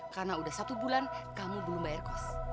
karena sudah satu bulan kamu belum bayar kos